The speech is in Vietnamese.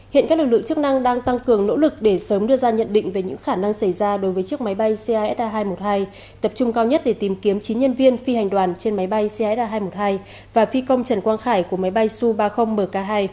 hiện các lực lượng chức năng đang tăng cường nỗ lực để sớm đưa ra nhận định về những khả năng xảy ra đối với chiếc máy bay casa hai trăm một mươi hai tập trung cao nhất để tìm kiếm chín nhân viên phi hành đoàn trên máy bay cra hai trăm một mươi hai và phi công trần quang khải của máy bay su ba mươi mk hai